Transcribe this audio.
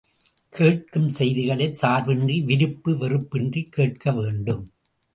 கேட்கும் செய்திகளைச் சார்பின்றி விருப்பு வெறுப்பின்றிக் கேட்க வேண்டும்.